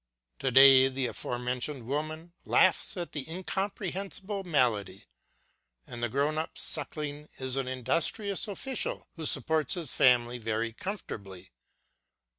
To day the aforementioned woman laughs at the " incomprehensible malady," and the grown up suckling is an industrious official who supports his family very comfortably.